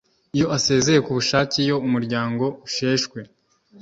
iyo asezeye ku bushake iyo umuryango usheshwe